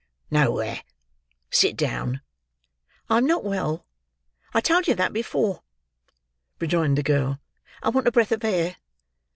"Nowhere. Sit down." "I'm not well. I told you that before," rejoined the girl. "I want a breath of air."